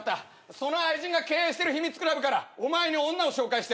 その愛人が経営してる秘密クラブからお前に女を紹介してやる。